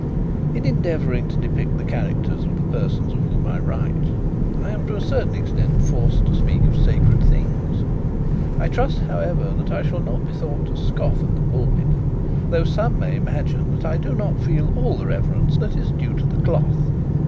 In endeavouring to depict the characters of the persons of whom I write, I am to a certain extent forced to speak of sacred things. I trust, however, that I shall not be thought to scoff at the pulpit, though some may imagine that I do not feel the reverence that is due to the cloth.